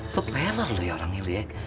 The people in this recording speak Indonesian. pepeller lu ya orang ini ya